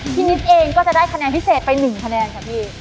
นิดเองก็จะได้คะแนนพิเศษไป๑คะแนนค่ะพี่